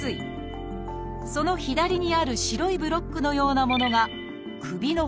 その左にある白いブロックのようなものが首の骨。